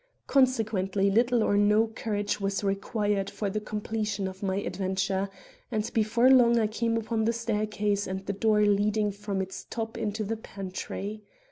Consequently little or no courage was required for the completion of my adventure; and before long I came upon the staircase and the door leading from its top into the pantry.